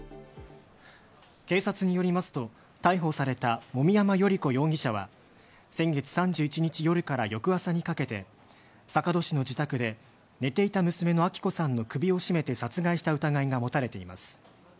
警察によりますと逮捕された籾山順子容疑者は先月３１日夜から翌朝にかけて坂戸市の自宅で寝ていた娘の亜紀子さんの首を絞めて殺害した疑いが持たれています。